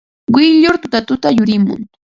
Quyllur tutatuta yurimun.